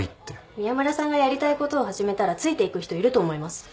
宮村さんがやりたいことを始めたらついていく人いると思います。